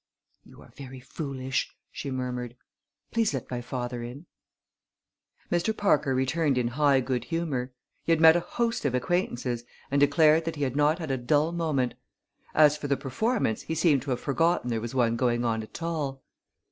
"You are very foolish!" she murmured. "Please let my father in." Mr. Parker returned in high good humor. He had met a host of acquaintances and declared that he had not had a dull moment. As for the performance he seemed to have forgotten there was one going on at all.